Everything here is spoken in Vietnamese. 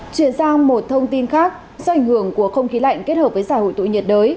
chuyển sang một thông tin khác do ảnh hưởng của không khí lạnh kết hợp với giải hội tụ nhiệt đới